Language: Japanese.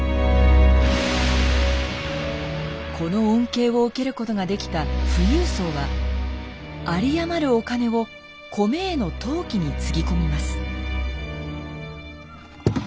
この恩恵を受けることができた富裕層は有り余るお金を米への投機につぎ込みます。